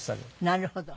なるほど。